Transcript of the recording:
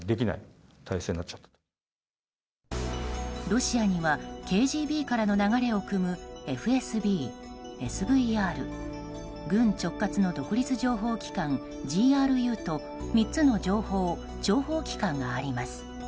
ロシアにはＫＧＢからの流れをくむＦＳＢ、ＳＶＲ軍直轄の独立情報機関ＧＲＵと３つの情報諜報機関があります。